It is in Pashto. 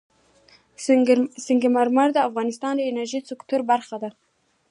سنگ مرمر د افغانستان د انرژۍ سکتور برخه ده.